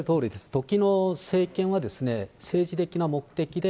時の政権は、政治的な目的で、